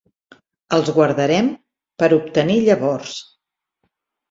Els guardarem per obtenir llavors.